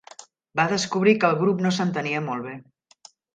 Va descobrir que el grup no s'entenia molt bé.